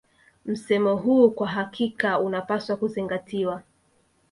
Msemo huu kwa hakika unapaswa kuzingatiwa